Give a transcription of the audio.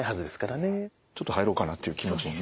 ちょっと入ろうかなっていう気持ちにね。